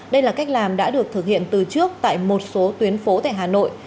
đây là cách làm đã được thực hiện từ trước tại một số tuyến phố tại hà nội